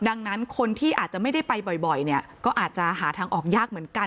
ดังนั้นคนที่อาจจะไม่ได้ไปบ่อยเนี่ยก็อาจจะหาทางออกยากเหมือนกัน